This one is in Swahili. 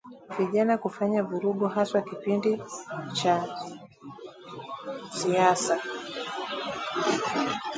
Vijana kufanya vurugu haswa kipindi hichi cha siasa